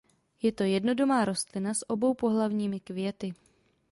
Je to jednodomá rostlina s oboupohlavnými květy.